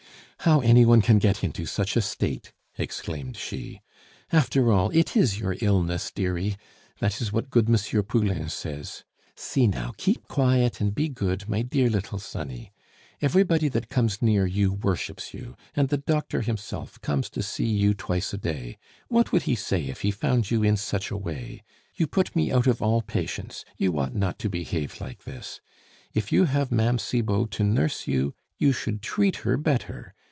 "How any one can get into such a state!" exclaimed she. "After all, it is your illness, dearie. That is what good M. Poulain says. See now, keep quiet and be good, my dear little sonny. Everybody that comes near you worships you, and the doctor himself comes to see you twice a day. What would he say if he found you in such a way? You put me out of all patience; you ought not to behave like this. If you have Ma'am Cibot to nurse you, you should treat her better.